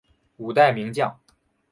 五代名将。